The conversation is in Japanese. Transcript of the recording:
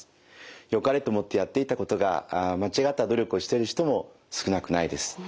よかれと思ってやっていたことが間違った努力をしている人も少なくないです。